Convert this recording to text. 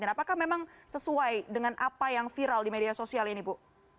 apakah memang sesuai dengan apa yang viral di media sosial ini bu